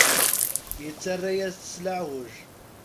Yettarra-yas s leɛweǧ.